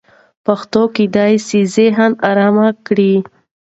پښتو کېدای سي ذهن ارام کړي.